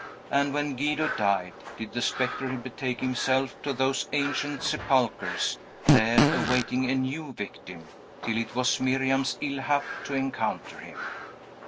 And when Guido died, did the spectre betake himself to those ancient sepulchres, there awaiting a new victim, till it was Miriam's ill hap to encounter him?